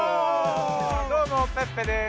どうもペッペです。